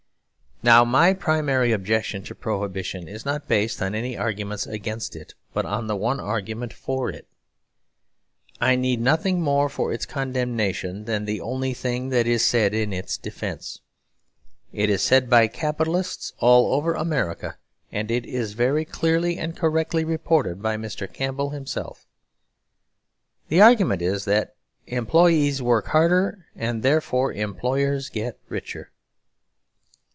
Now my primary objection to Prohibition is not based on any arguments against it, but on the one argument for it. I need nothing more for its condemnation than the only thing that is said in its defence. It is said by capitalists all over America; and it is very clearly and correctly reported by Mr. Campbell himself. The argument is that employees work harder, and therefore employers get richer.